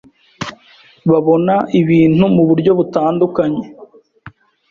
babona ibintu mu buryo butandukanye.